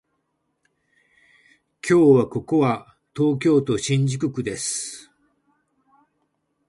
今日はここは東京都新宿区です